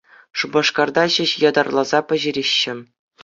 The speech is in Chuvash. Шупашкарта ҫеҫ ятарласа пӗҫереҫҫӗ.